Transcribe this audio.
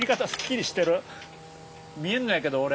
見えんのやけど俺。